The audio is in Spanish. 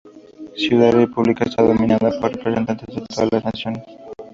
Ciudad República está dominada por representantes de todas las naciones.